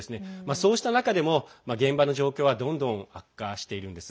そうした中でも、現場の状況はどんどん悪化しているんです。